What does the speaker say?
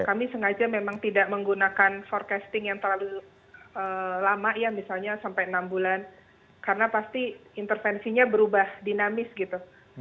kami sengaja memang tidak menggunakan forecasting yang terlalu lama ya misalnya sampai enam bulan karena pasti intervensinya berubah dinamis gitu